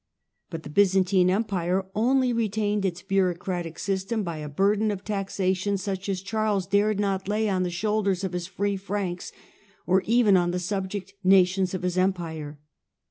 But the Byzantine Empire only retained its bureau i cratic system by a burden of taxation such as Charles dared not lay on the shoulders of his free Franks, or even on the subject nations of his Empire.